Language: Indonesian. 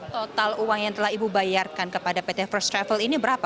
total uang yang telah ibu bayarkan kepada pt first travel ini berapa